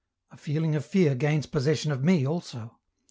A feeling of fear gains possession of me also.